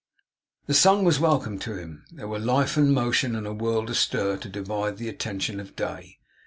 The sun was welcome to him. There were life and motion, and a world astir, to divide the attention of Day.